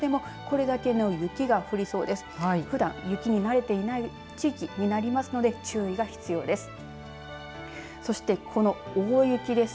ふだん雪に慣れていない地域になりますので注意が必要です。